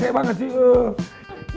tese banget sih